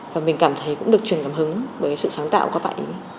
và mình cảm thấy cũng được truyền cảm hứng bởi sự sáng tạo của các bạn